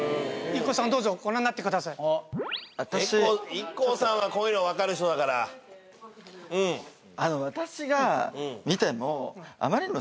ＩＫＫＯさんはこういうのわかる人だからわからない？